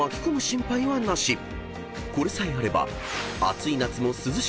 ［これさえあれば］